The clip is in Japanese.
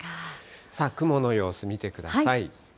さあ、雲の様子見てください。